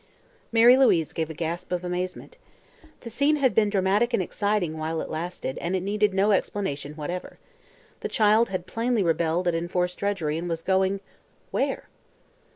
Mary Louise gave a gasp of amazement. The scene had been dramatic and exciting while it lasted and it needed no explanation whatever. The child had plainly rebelled at enforced drudgery and was going where?